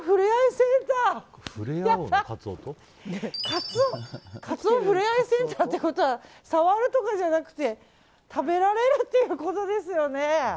カツオふれあいセンターってことは触るとかじゃなくて食べられるってことですよね。